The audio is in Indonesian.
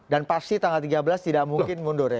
dan pasti tanggal tiga belas tidak mungkin mundur ya